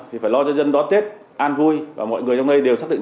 thì phải lo cho dân đón tết an vui và mọi người trong đây đều xác định